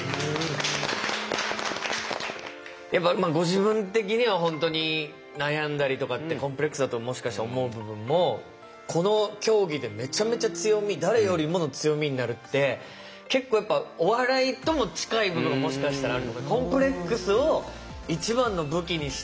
やっぱご自分的には本当に悩んだりとかってコンプレックスだともしかして思う部分もこの競技でめちゃめちゃ強み誰よりもの強みになるって結構やっぱお笑いとも近い部分がもしかしたらある。